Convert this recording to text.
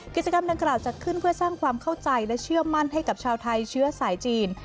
กิจกรรมดังกล่าวจัดขึ้นเพื่อสร้างความเข้าใจและเชื่อมั่นให้กับชาวไทยเชื้อสายจีน